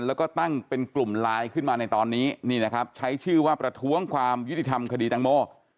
แล้วก็ตั้งเป็นกลุ่มไลน์ขึ้นมาในตอนนี้นี่นะครับใช้ชื่อว่าประท้วงความยุติธรรมคดีตังโม